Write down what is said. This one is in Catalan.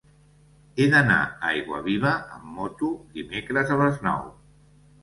He d'anar a Aiguaviva amb moto dimecres a les nou.